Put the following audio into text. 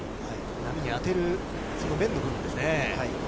波に当てる、その面の部分ですね。